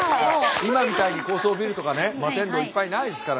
今みたいに高層ビルとかね摩天楼いっぱいないですから。